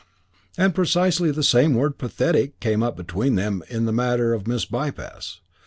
II And precisely the same word pathetic came up between them in the matter of Miss Bypass.